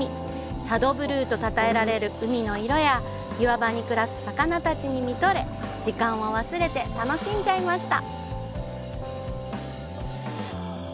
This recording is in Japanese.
佐渡ブルーと称えられる海の色や岩場に暮らす魚たちに見とれ時間を忘れて楽しんじゃいました。